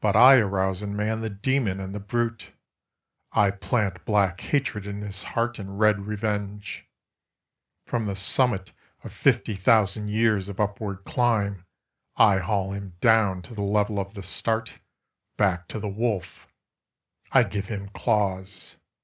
But I arouse in Man the demon and the brute, I plant black hatred in his heart and red revenge. From the summit of fifty thousand years of upward climb I haul him down to the level of the start, back to the wolf. I give him claws.